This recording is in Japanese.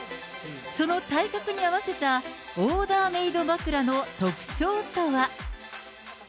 その体格に合わせたオーダーメード枕の特徴とは。